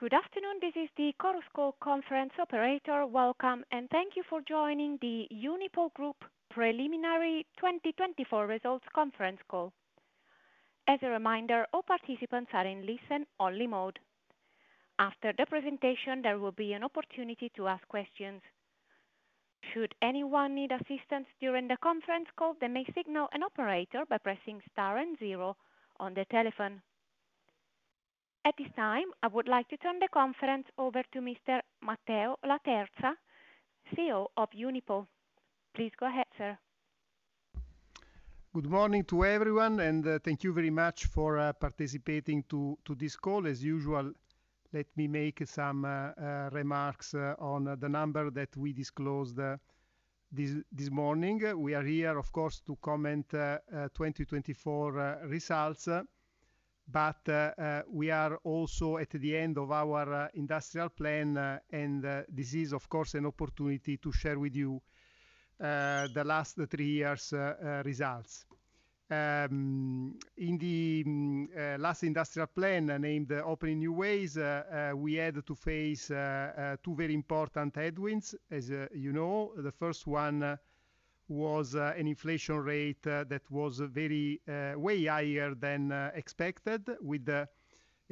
Good afternoon, this is the Chorus Call conference operator. Welcome, and thank you for joining the Unipol Group Preliminary 2024 Results Conference Call. As a reminder, all participants are in listen-only mode. After the presentation, there will be an opportunity to ask questions. Should anyone need assistance during the conference call, they may signal an operator by pressing star and zero on the telephone. At this time, I would like to turn the conference over to Mr. Matteo Laterza, CEO of Unipol. Please go ahead, sir. Good morning to everyone, and thank you very much for participating to this call. As usual, let me make some remarks on the number that we disclosed this morning. We are here, of course, to comment on the 2024 results, but we are also at the end of our industrial plan, and this is, of course, an opportunity to share with you the last three years' results. In the last industrial plan named "Opening New Ways," we had to face two very important headwinds. As you know, the first one was an inflation rate that was way higher than expected, with a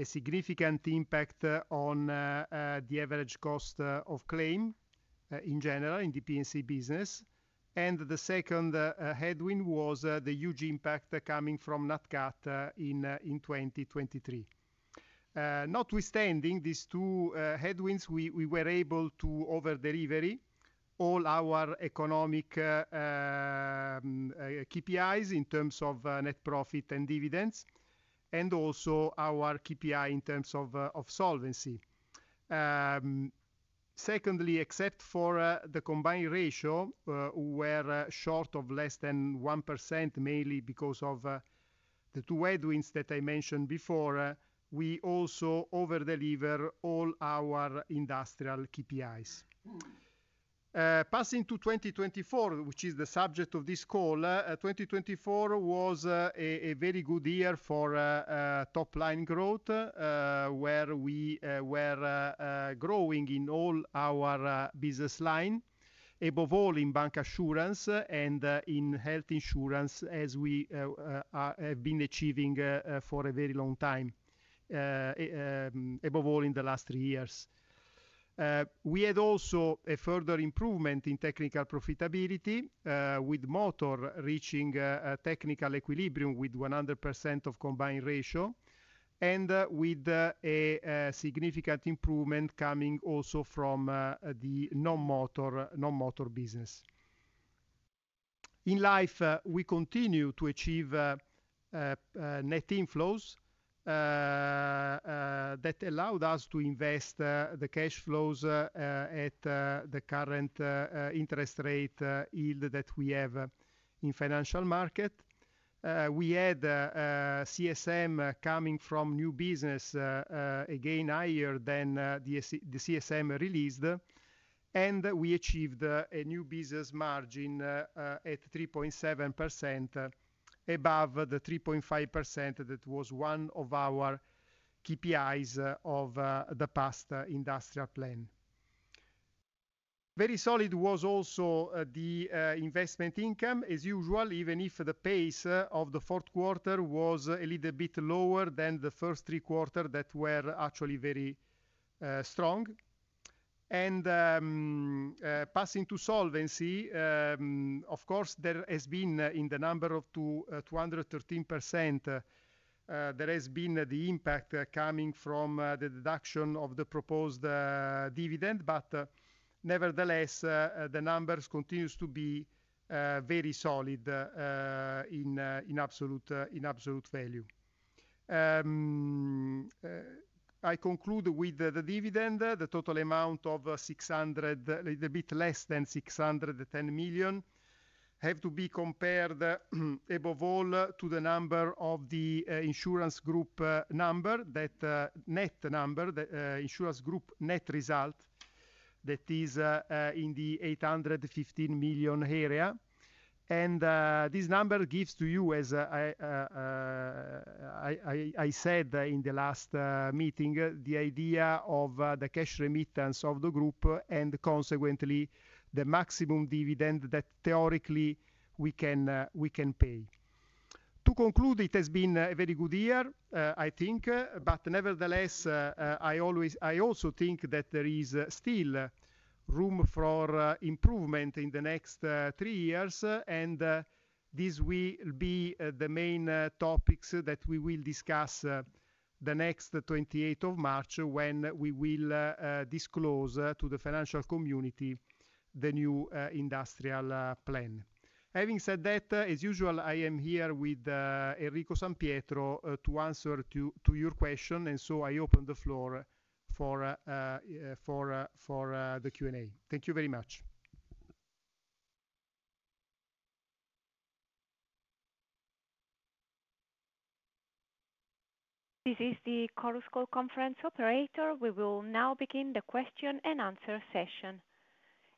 significant impact on the average cost of claim in general in the P&C business. The second headwind was the huge impact coming NatCat in 2023. Notwithstanding these two headwinds, we were able to overdeliver all our economic KPIs in terms of net profit and dividends, and also our KPI in terms of solvency. Secondly, except for the combined ratio, we were short of less than 1%, mainly because of the two headwinds that I mentioned before. We also overdelivered all our industrial KPIs. Passing to 2024, which is the subject of this call, 2024 was a very good year for top-line growth, where we were growing in all our business lines, above all in bancassurance and in health insurance, as we have been achieving for a very long time, above all in the last three years. We had also a further improvement in technical profitability, with motor reaching technical equilibrium with 100% of combined ratio, and with a significant improvement coming also from the non-motor business. In life, we continue to achieve net inflows that allowed us to invest the cash flows at the current interest rate yield that we have in the financial market. We had CSM coming from new business, again higher than the CSM released, and we achieved a new business margin at 3.7%, above the 3.5% that was one of our KPIs of the past Industrial Plan. Very solid was also the investment income, as usual, even if the pace of the fourth quarter was a little bit lower than the first three quarters that were actually very strong. And passing to solvency, of course, there has been in the number of 213%, there has been the impact coming from the deduction of the proposed dividend, but nevertheless, the numbers continue to be very solid in absolute value. I conclude with the dividend, the total amount of a little bit less than 610 million, have to be compared above all to the number of the insurance group number, that net number, the insurance group net result that is in the 815 million area. This number gives to you, as I said in the last meeting, the idea of the cash remittance of the group and consequently the maximum dividend that theoretically we can pay. To conclude, it has been a very good year, I think, but nevertheless, I also think that there is still room for improvement in the next three years, and this will be the main topics that we will discuss the next 28th of March when we will disclose to the financial community the new industrial plan. Having said that, as usual, I am here with Enrico San Pietro to answer to your question, and so I open the floor for the Q&A. Thank you very much. This is the Chorus Call conference operator. We will now begin the question and answer session.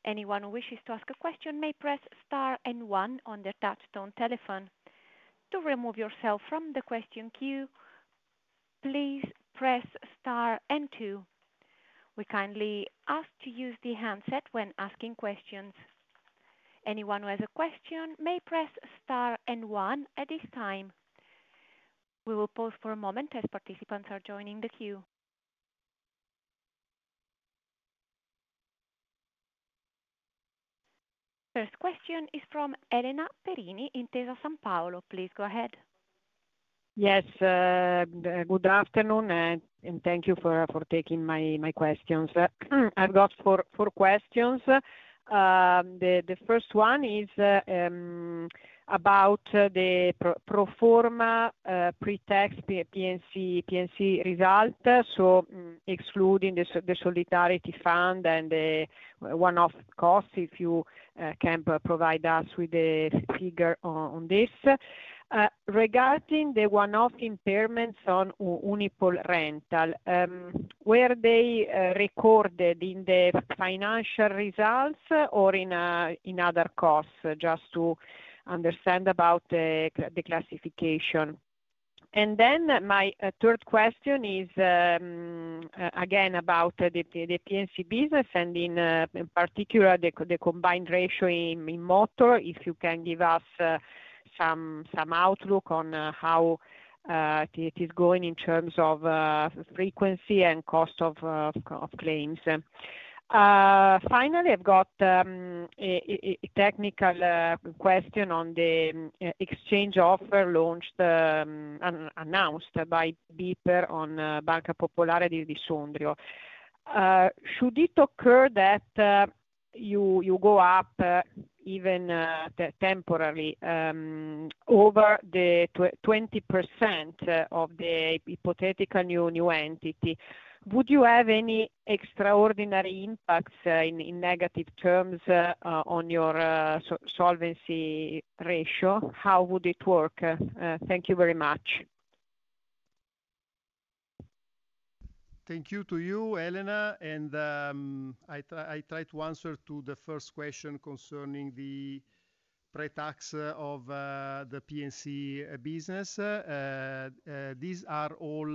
Anyone who wishes to ask a question may press star and one on the touch-tone telephone. To remove yourself from the question queue, please press star and two. We kindly ask to use the handset when asking questions. Anyone who has a question may press star and one at this time. We will pause for a moment as participants are joining the queue. First question is from Elena Perini in Intesa Sanpaolo. Please go ahead. Yes, good afternoon, and thank you for taking my questions. I've got four questions. The first one is about the pro forma pre-tax P&C result, so excluding the solidarity fund and the one-off cost, if you can provide us with a figure on this. Regarding the one-off impairments on Unipol Rental, were they recorded in the financial results or in other costs, just to understand about the classification? And then my third question is again about the P&C business and in particular the combined ratio in motor, if you can give us some outlook on how it is going in terms of frequency and cost of claims. Finally, I've got a technical question on the exchange offer announced by BPER on Banca Popolare di Sondrio. Should it occur that you go up even temporarily over the 20% of the hypothetical new entity, would you have any extraordinary impacts in negative terms on your solvency ratio? How would it work? Thank you very much. Thank you to you, Elena, and I tried to answer to the first question concerning the progress of the P&C business. These are all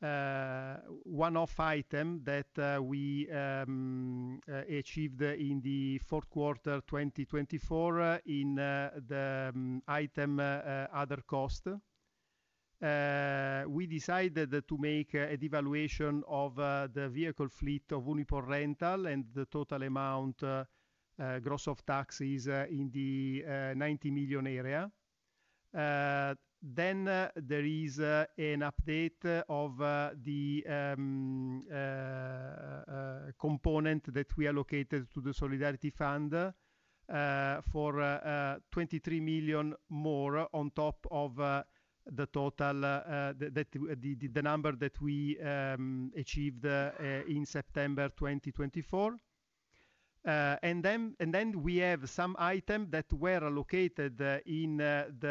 one-off items that we achieved in the fourth quarter 2024 in the item other cost. We decided to make a devaluation of the vehicle fleet of Unipol Rental and the total amount gross of taxes in the 90 million area. Then there is an update of the component that we allocated to the solidarity fund for 23 million more on top of the number that we achieved in September 2024. And then we have some items that were allocated in the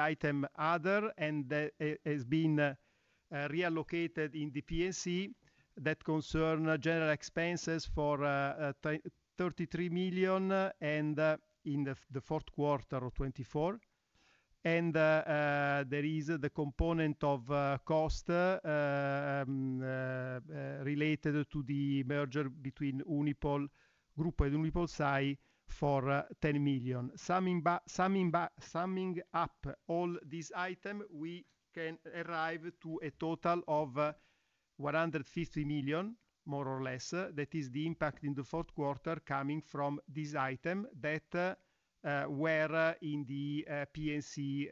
item other and has been reallocated in the P&C that concern general expenses for 33 million in the fourth quarter of 2024. And there is the component of cost related to the merger between Unipol Group and UnipolSai for 10 million. Summing up all these items, we can arrive to a total of 150 million, more or less, that is the impact in the fourth quarter coming from these items that were in the P&C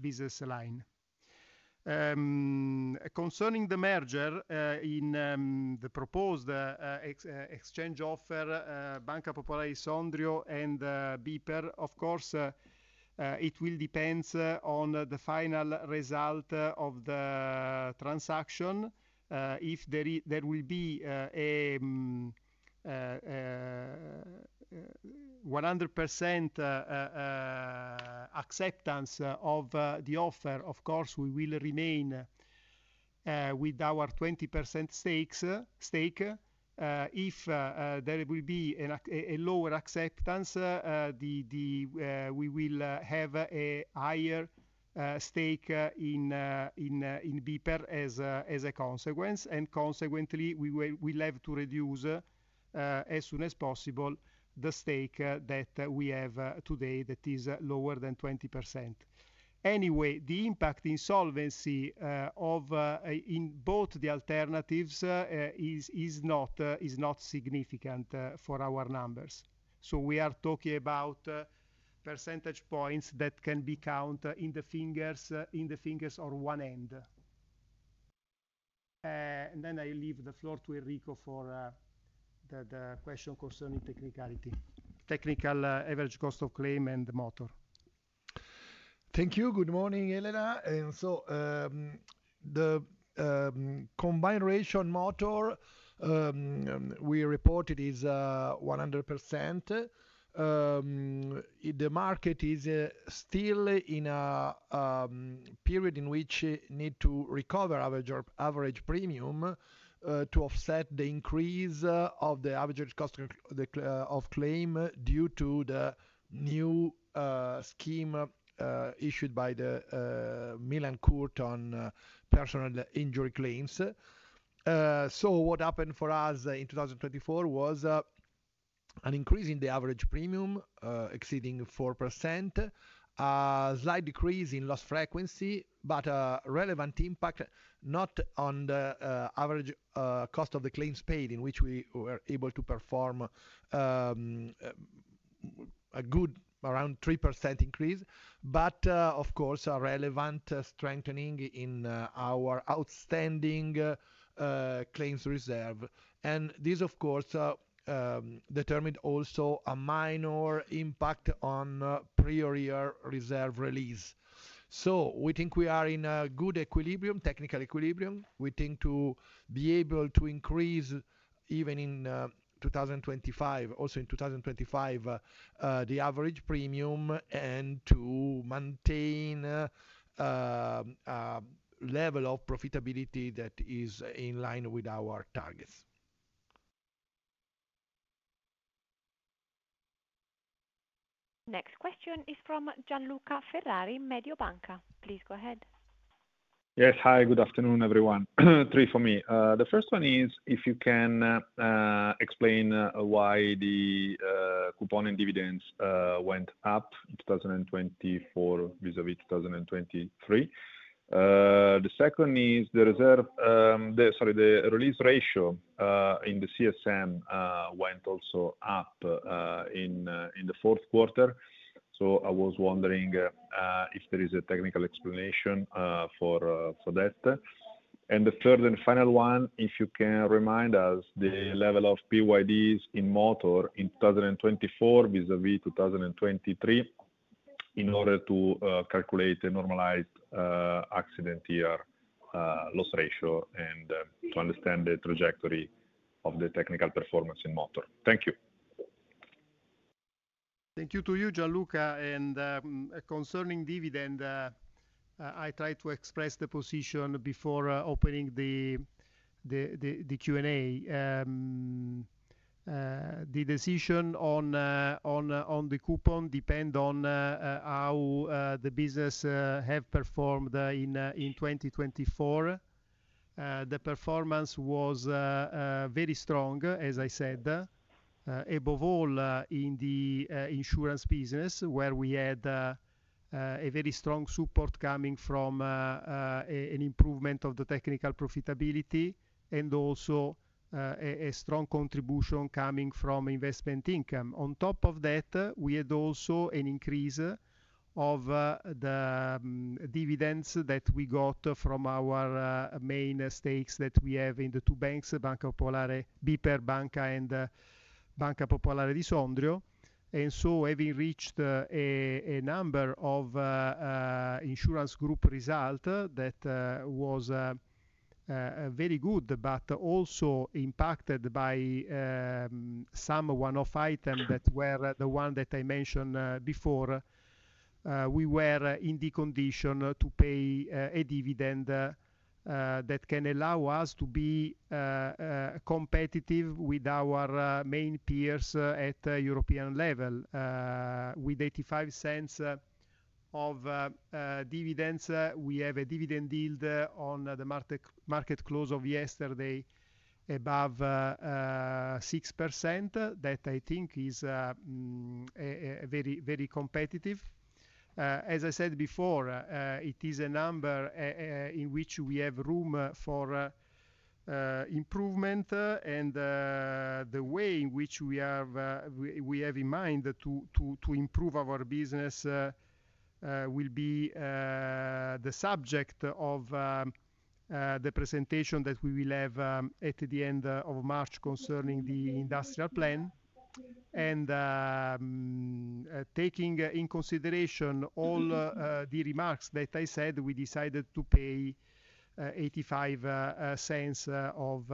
business line. Concerning the merger in the proposed exchange offer, Banca Popolare di Sondrio and BPER Banca, of course, it will depend on the final result of the transaction. If there will be a 100% acceptance of the offer, of course, we will remain with our 20% stake. If there will be a lower acceptance, we will have a higher stake in BPER Banca as a consequence, and consequently, we will have to reduce as soon as possible the stake that we have today that is lower than 20%. Anyway, the impact in solvency in both the alternatives is not significant for our numbers. So we are talking about percentage points that can be counted on the fingers of one hand. And then I leave the floor to Enrico for the question concerning technicality, technical average cost of claim and motor. Thank you. Good morning, Elena. And so the combined ratio on motor we reported is 100%. The market is still in a period in which we need to recover average premium to offset the increase of the average cost of claim due to the new scheme issued by the Milan Court on personal injury claims. So what happened for us in 2024 was an increase in the average premium exceeding 4%, a slight decrease in loss frequency, but a relevant impact not on the average cost of the claims paid in which we were able to perform a good around 3% increase, but of course, a relevant strengthening in our outstanding claims reserve. This, of course, determined also a minor impact on prior year reserve release. We think we are in a good equilibrium, technical equilibrium. We think to be able to increase even in 2025, also in 2025, the average premium and to maintain a level of profitability that is in line with our targets. Next question is from Gianluca Ferrari, Mediobanca. Please go ahead. Yes, hi, good afternoon, everyone. Three for me. The first one is if you can explain why the coupon and dividends went up in 2024 vis-à-vis 2023. The second is the release ratio in the CSM went also up in the fourth quarter, so I was wondering if there is a technical explanation for that, and the third and final one, if you can remind us the level of PYDs in motor in 2024 vis-à-vis 2023 in order to calculate a normalized accident year loss ratio and to understand the trajectory of the technical performance in motor. Thank you. Thank you to you, Gianluca. Concerning dividend, I tried to express the position before opening the Q&A. The decision on the coupon depends on how the business has performed in 2024. The performance was very strong, as I said, above all in the insurance business, where we had a very strong support coming from an improvement of the technical profitability and also a strong contribution coming from investment income. On top of that, we had also an increase of the dividends that we got from our main stakes that we have in the two banks, Banca Popolare, BPER Banca, and Banca Popolare di Sondrio. So having reached a number of insurance group results that was very good, but also impacted by some one-off items that were the one that I mentioned before, we were in the condition to pay a dividend that can allow us to be competitive with our main peers at the European level. With 0.85 of dividends, we have a dividend yield on the market close of yesterday above 6%. That I think is very competitive. As I said before, it is a number in which we have room for improvement, and the way in which we have in mind to improve our business will be the subject of the presentation that we will have at the end of March concerning the industrial plan. And taking in consideration all the remarks that I said, we decided to pay 0.85 of.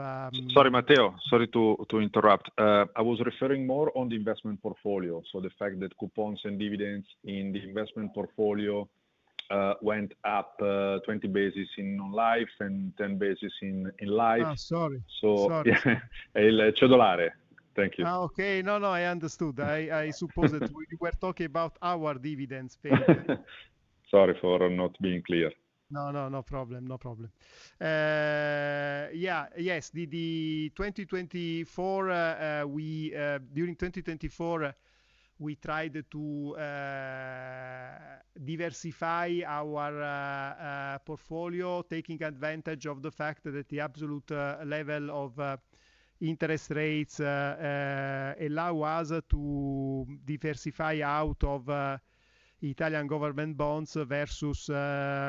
Sorry, Matteo, sorry to interrupt. I was referring more on the investment portfolio, so the fact that coupons and dividends in the investment portfolio went up 20 basis points in non-life and 10 basis points in life. Sorry. Sorry. Il cedolare. Thank you. Okay. No, no, I understood. I suppose that we were talking about our dividends payment. Sorry for not being clear. No, no, no problem. No problem. Yeah, yes. During 2024, we tried to diversify our portfolio, taking advantage of the fact that the absolute level of interest rates allow us to diversify out of Italian government bonds versus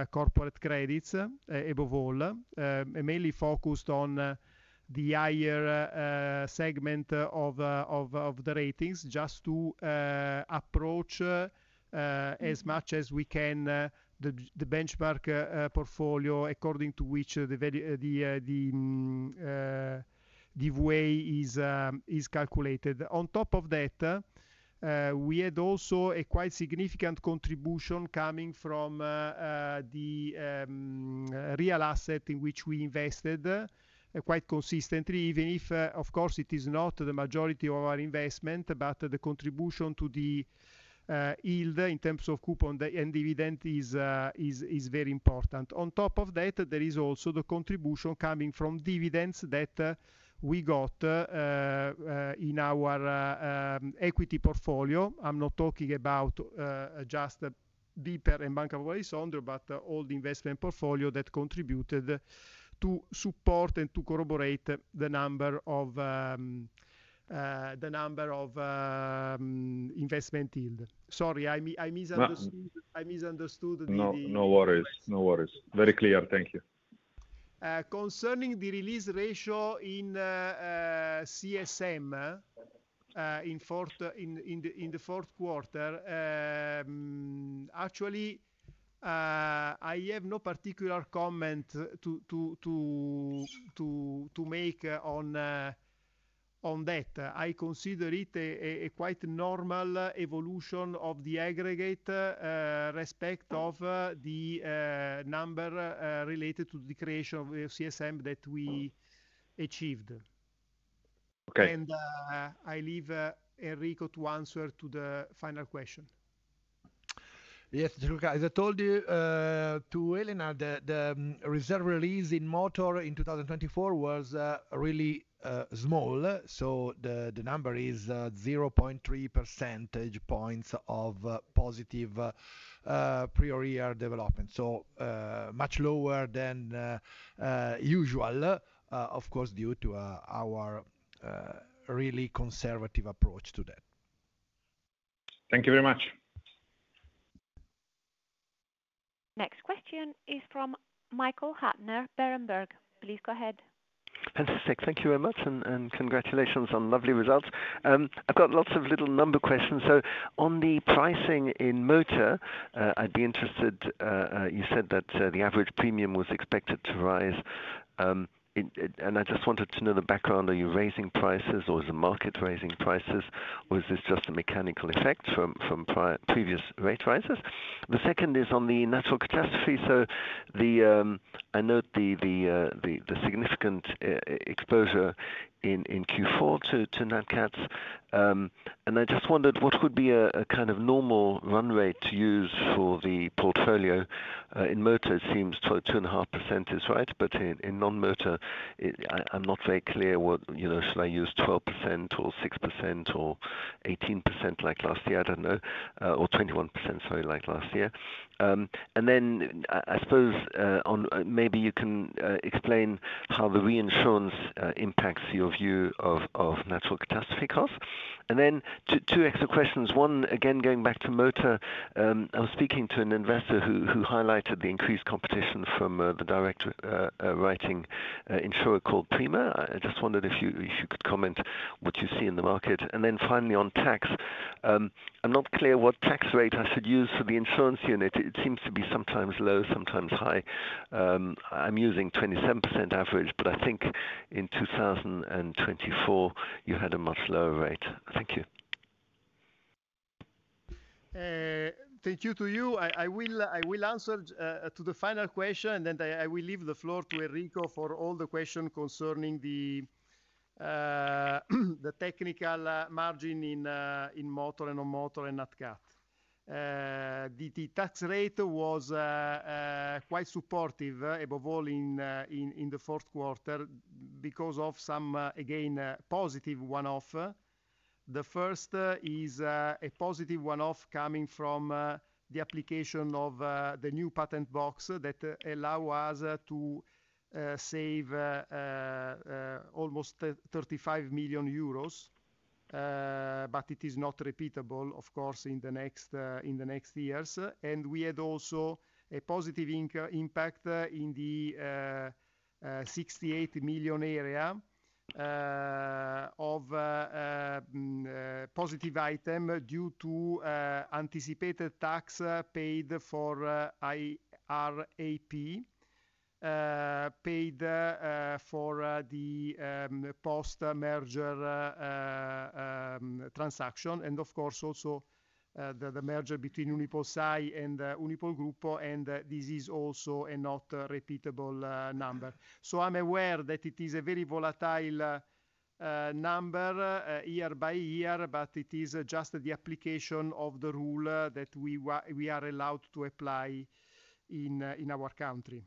corporate credits above all, mainly focused on the higher segment of the ratings just to approach as much as we can the benchmark portfolio according to which the way is calculated. On top of that, we had also a quite significant contribution coming from the real asset in which we invested quite consistently, even if, of course, it is not the majority of our investment, but the contribution to the yield in terms of coupon and dividend is very important. On top of that, there is also the contribution coming from dividends that we got in our equity portfolio. I'm not talking about just BPER and Banca Popolare di Sondrio, but all the investment portfolio that contributed to support and to corroborate the number of investment yield. Sorry, I misunderstood the... No, no worries. No worries. Very clear. Thank you. Concerning the release ratio in CSM in the fourth quarter, actually, I have no particular comment to make on that. I consider it a quite normal evolution of the aggregate respect of the number related to the creation of CSM that we achieved. Okay. I leave Enrico to answer to the final question. Yes, Gianluca, as I told you to Elena, the reserve release in motor in 2024 was really small, so the number is 0.3 percentage points of positive prior year development, so much lower than usual, of course, due to our really conservative approach to that. Thank you very much. Next question is from Michael Huttner, Berenberg. Please go ahead. Fantastic. Thank you very much, and congratulations on lovely results. I've got lots of little number questions. On the pricing in motor, I'd be interested. You said that the average premium was expected to rise. I just wanted to know the background. Are you raising prices or is the market raising prices or is this just a mechanical effect from previous rate rises? The second is on the natural catastrophe. I note the significant exposure in Q4 NatCats. i just wondered what would be a kind of normal run rate to use for the portfolio in motor? It seems 2.5% is right, but in non-motor, I'm not very clear what should I use, 12% or 6% or 18% like last year, I don't know, or 21%, sorry, like last year. And then I suppose maybe you can explain how the reinsurance impacts your view of natural catastrophe costs. And then two extra questions. One, again, going back to motor, I was speaking to an investor who highlighted the increased competition from the direct writing insurer called Prima. I just wondered if you could comment what you see in the market. And then finally on tax, I'm not clear what tax rate I should use for the insurance unit. It seems to be sometimes low, sometimes high. I'm using 27% average, but I think in 2024 you had a much lower rate. Thank you. Thank you to you. I will answer to the final question and then I will leave the floor to Enrico for all the questions concerning the technical margin in motor and non-motor NatCat. the tax rate was quite supportive above all in the fourth quarter because of some, again, positive one-off. The first is a positive one-off coming from the application of the new patent box that allow us to save almost 35 million euros, but it is not repeatable, of course, in the next years. We had also a positive impact in the 68 million area of positive item due to anticipated tax paid for IRAP, paid for the post-merger transaction. Of course, also the merger between UnipolSai and Unipol Gruppo, and this is also a not repeatable number. So I'm aware that it is a very volatile number year by year, but it is just the application of the rule that we are allowed to apply in our country.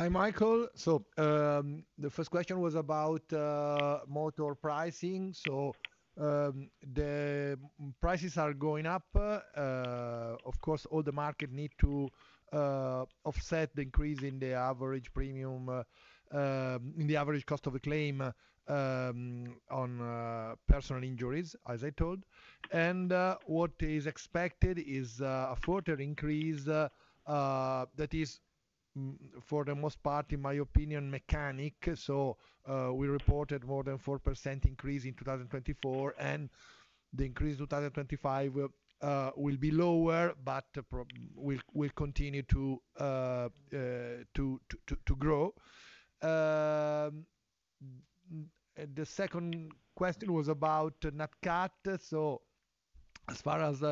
Thank you. Hi, Michael. So the first question was about motor pricing. So the prices are going up. Of course, all the market need to offset the increase in the average premium, in the average cost of a claim on personal injuries, as I told. And what is expected is a further increase that is, for the most part, mechanic. So we reported more than 4% increase in 2024, and the increase in 2025 will be lower, but will continue to grow. The second question was NatCat. so as far as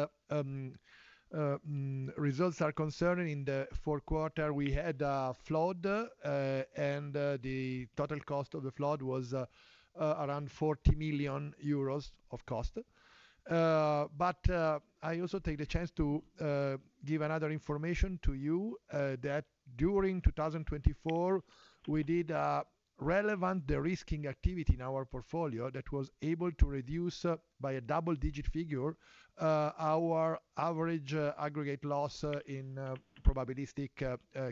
results are concerned, in the fourth quarter, we had a flood, and the total cost of the flood was around 40 million euros of cost. But I also take the chance to give another information to you that during 2024, we did a relevant reinsurance activity in our portfolio that was able to reduce by a double-digit figure our average aggregate loss in probabilistic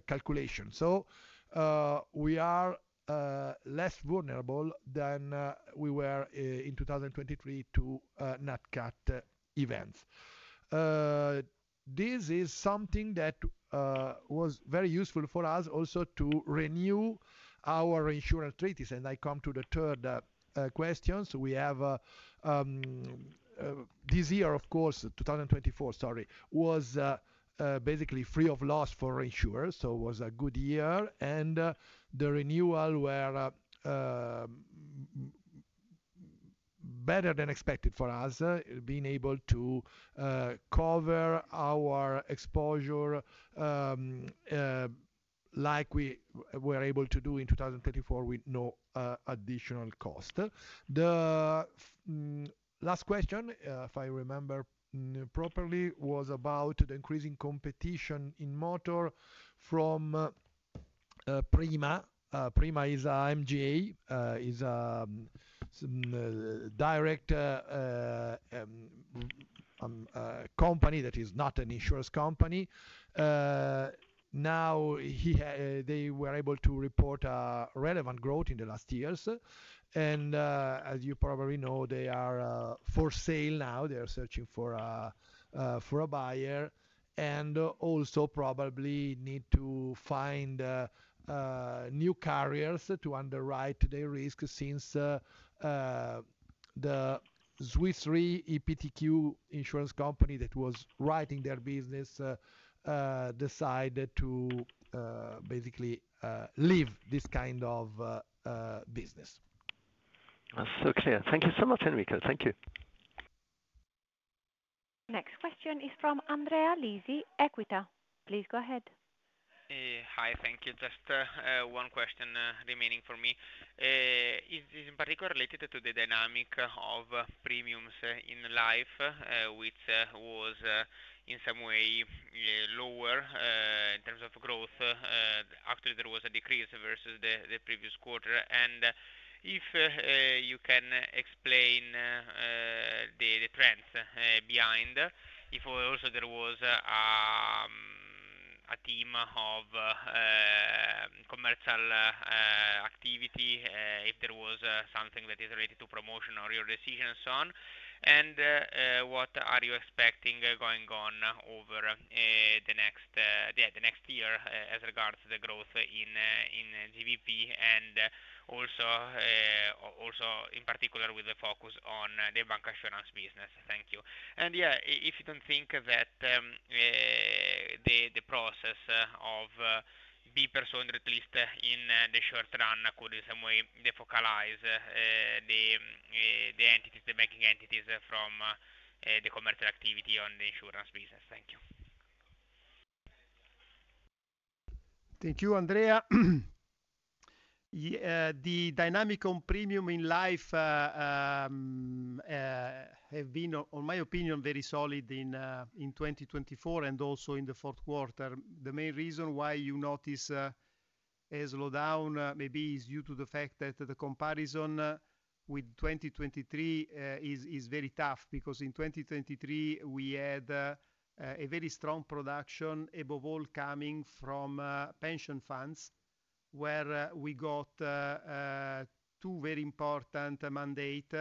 calculation. So we are less vulnerable than we were in 2023 NatCat events. This is something that was very useful for us also to renew our insurance treaties. And I come to the third question. So we have this year, of course, 2024, sorry, was basically free of loss for insurers. So it was a good year. And the renewal was better than expected for us, being able to cover our exposure like we were able to do in 2024 with no additional cost. The last question, if I remember properly, was about the increasing competition in motor from Prima. Prima is an MGA, a direct company that is not an insurance company. Now they were able to report a relevant growth in the last years, and as you probably know, they are for sale now. They are searching for a buyer and also probably need to find new carriers to underwrite their risk since the Swiss Re iptiQ insurance company that was writing their business decided to basically leave this kind of business. That's so clear. Thank you so much, Enrico. Thank you. Next question is from Andrea Lisi, Equita. Please go ahead. Hi, thank you. Just one question remaining for me. Is it in particular related to the dynamic of premiums in life, which was in some way lower in terms of growth? Actually, there was a decrease versus the previous quarter, and if you can explain the trends behind, if also there was a theme of commercial activity, if there was something that is related to promotion or your decision and so on, and what are you expecting going on over the next year as regards to the growth in GVP and also in particular with the focus on the bank assurance business? Thank you, and yeah, if you don't think that the process of BPER, so in the short run, could in some way focalize the banking entities from the commercial activity on the insurance business? Thank you. Thank you, Andrea. The dynamic on premium in life has been, in my opinion, very solid in 2024 and also in the fourth quarter. The main reason why you notice a slowdown maybe is due to the fact that the comparison with 2023 is very tough because in 2023, we had a very strong production above all coming from pension funds where we got two very important mandates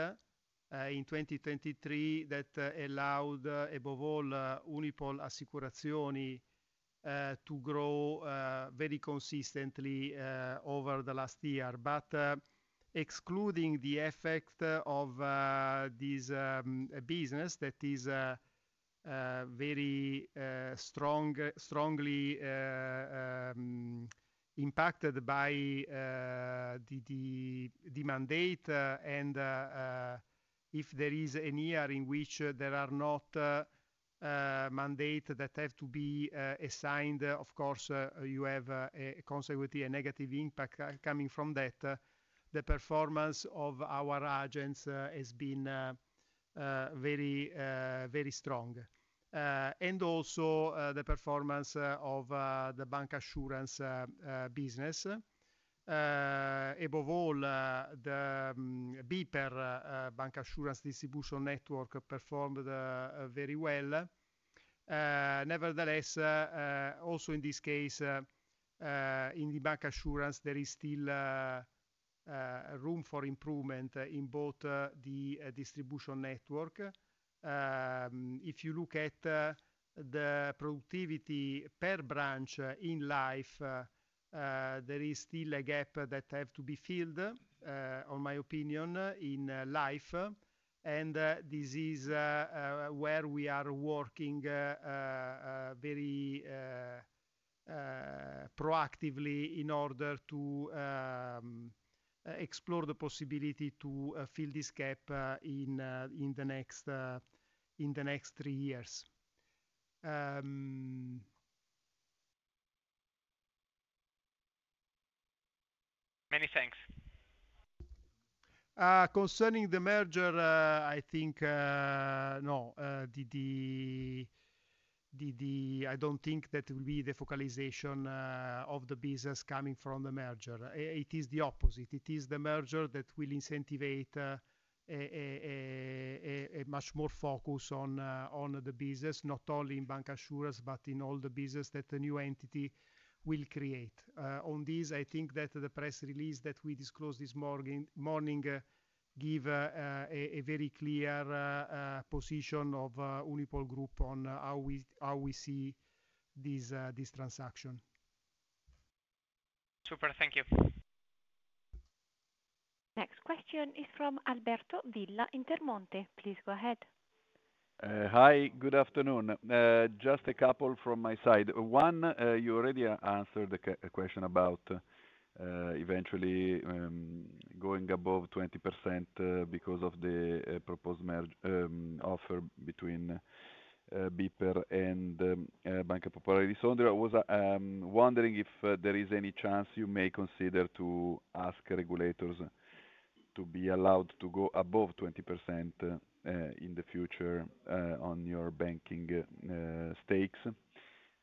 in 2023 that allowed above all Unipol Assicurazioni to grow very consistently over the last year, but excluding the effect of this business that is very strongly impacted by the mandate, and if there is a year in which there are not mandates that have to be assigned, of course, you have consequently a negative impact coming from that. The performance of our agents has been very strong, and also the performance of the bank assurance business. Above all, the BPER bancassurance distribution network performed very well. Nevertheless, also in this case, in the bancassurance, there is still room for improvement in both the distribution network. If you look at the productivity per branch in life, there is still a gap that has to be filled, in my opinion, in life, and this is where we are working very proactively in order to explore the possibility to fill this gap in the next three years. Many thanks. Concerning the merger, I think no. I don't think that will be the focalization of the business coming from the merger. It is the opposite. It is the merger that will incentivize a much more focus on the business, not only in bancassurance, but in all the business that the new entity will create. On this, I think that the press release that we disclosed this morning gave a very clear position of Unipol Group on how we see this transaction. Super. Thank you. Next question is from Alberto Villa in Intermonte. Please go ahead. Hi, good afternoon. Just a couple from my side. One, you already answered the question about eventually going above 20% because of the proposed offer between BPER and Banca Popolare di Sondrio. I was wondering if there is any chance you may consider to ask regulators to be allowed to go above 20% in the future on your banking stakes.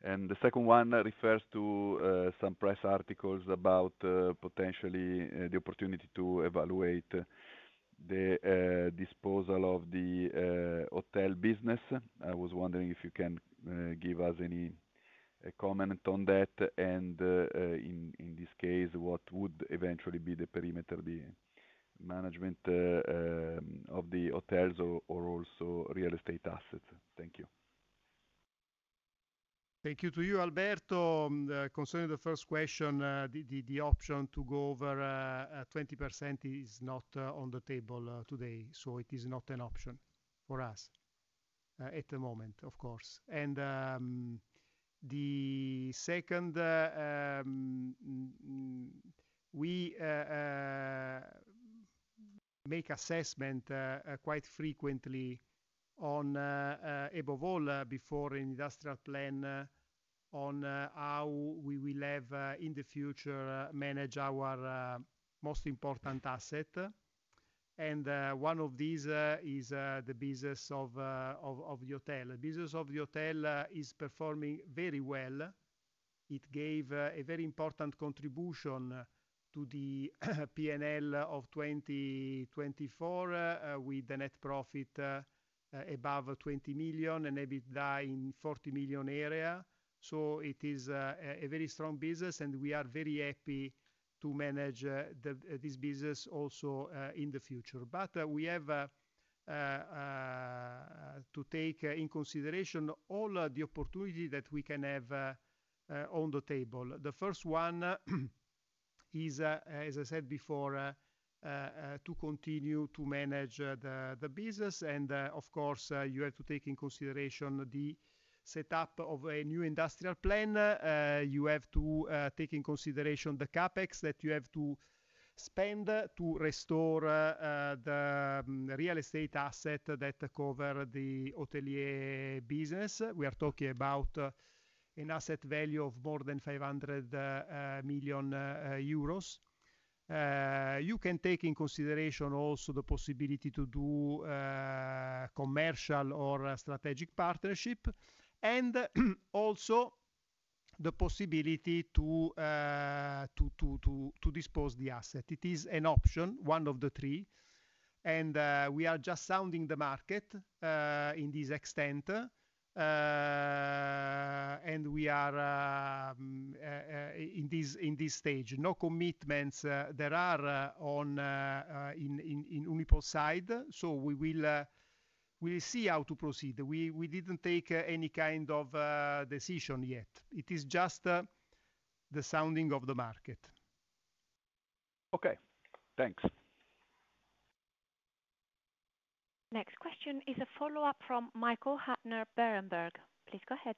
And the second one refers to some press articles about potentially the opportunity to evaluate the disposal of the hotel business. I was wondering if you can give us any comment on that. And in this case, what would eventually be the perimeter management of the hotels or also real estate assets? Thank you. Thank you to you, Alberto. Concerning the first question, the option to go over 20% is not on the table today. So it is not an option for us at the moment, of course. And the second, we make assessment quite frequently above all before an industrial plan on how we will have in the future manage our most important asset. And one of these is the business of the hotel. The business of the hotel is performing very well. It gave a very important contribution to the P&L of 2024 with the net profit above 20 million and EBITDA in 40 million area. So it is a very strong business, and we are very happy to manage this business also in the future. But we have to take in consideration all the opportunities that we can have on the table. The first one is, as I said before, to continue to manage the business. And of course, you have to take in consideration the setup of a new industrial plan. You have to take in consideration the CapEx that you have to spend to restore the real estate asset that cover the hotelier business. We are talking about an asset value of more than 500 million euros. You can take in consideration also the possibility to do commercial or strategic partnership, and also the possibility to dispose of the asset. It is an option, one of the three. And we are just sounding the market in this extent. And we are in this stage. No commitments there are on Unipol side. So we will see how to proceed. We didn't take any kind of decision yet. It is just the sounding of the market. Okay. Thanks. Next question is a follow-up from Michael Huttner Berenberg. Please go ahead.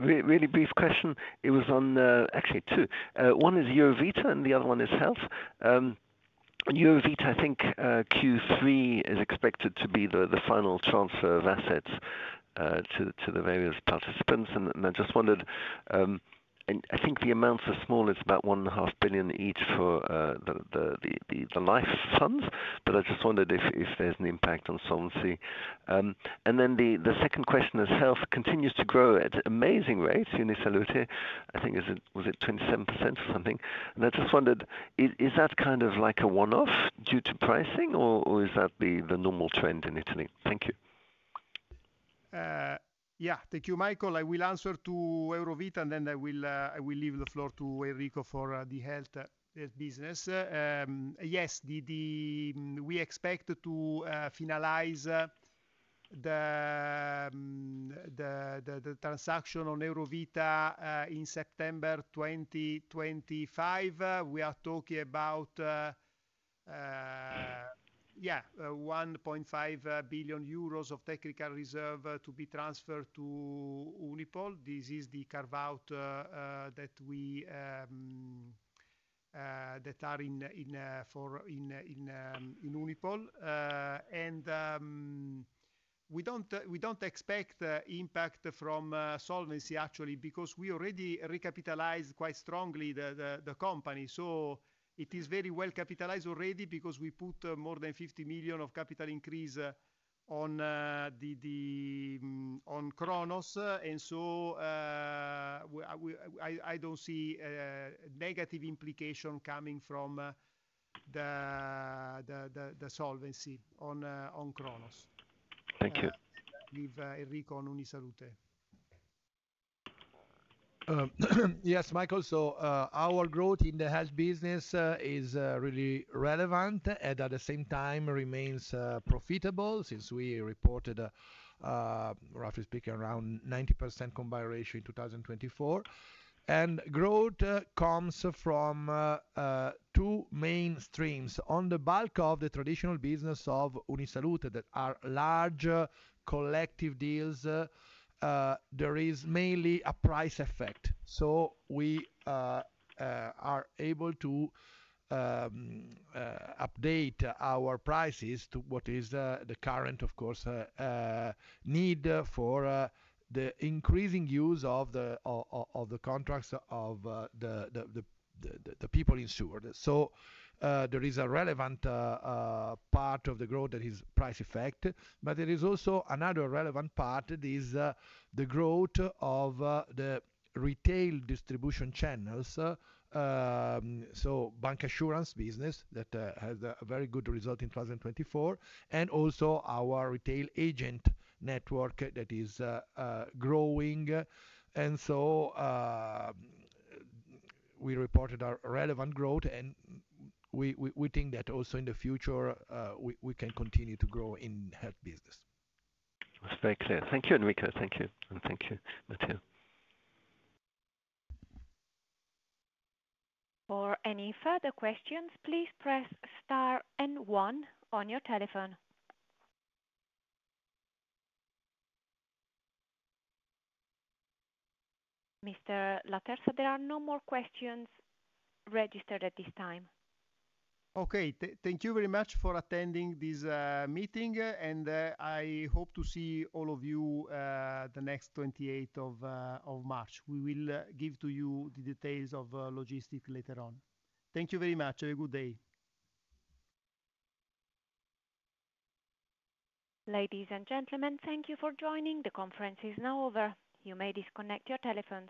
Really brief question. It was on actually two. One is Eurovita and the other one is health. Eurovita, I think Q3 is expected to be the final transfer of assets to the various participants. I just wondered, I think the amounts are small. It's about 1.5 billion each for the life funds. But I just wondered if there's an impact on solvency. And then the second question is health continues to grow at amazing rates. Unisalute, I think was it 27% or something. And I just wondered, is that kind of like a one-off due to pricing, or is that the normal trend in Italy? Thank you. Yeah. Thank you, Michael. I will answer to Eurovita, and then I will leave the floor to Enrico for the health business. Yes, we expect to finalize the transaction on Eurovita in September 2025. We are talking about, yeah, 1.5 billion euros of technical reserve to be transferred to Unipol. This is the carve-out that are in Unipol. And we don't expect impact from solvency, actually, because we already recapitalized quite strongly the company. So it is very well capitalized already because we put more than 50 million of capital increase on Cronos. And so I don't see a negative implication coming from the solvency on Cronos. Thank you. Enrico on Unisalute. Yes, Michael. So our growth in the health business is really relevant and at the same time remains profitable since we reported, roughly speaking, around 90% combined ratio in 2024. And growth comes from two main streams. On the bulk of the traditional business of Unisalute that are large collective deals, there is mainly a price effect. So we are able to update our prices to what is the current, of course, need for the increasing use of the contracts of the people insured. So there is a relevant part of the growth that is price effect. But there is also another relevant part. It is the growth of the retail distribution channels. So bancassurance business that has a very good result in 2024, and also our retail agent network that is growing. So we reported our relevant growth, and we think that also in the future we can continue to grow in health business. That's very clear. Thank you, Enrico. Thank you. And thank you, Matteo. For any further questions, please press star and one on your telephone. Mr. Laterza, there are no more questions registered at this time. Okay. Thank you very much for attending this meeting, and I hope to see all of you the next 28th of March. We will give to you the details of logistics later on. Thank you very much. Have a good day. Ladies and gentlemen, thank you for joining. The conference is now over. You may disconnect your telephones.